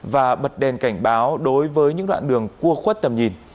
và bật đèn cảnh báo đối với những đoạn đường cua khuất tầm nhìn